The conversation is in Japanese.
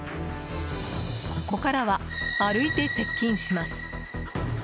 ここからは歩いて接近します。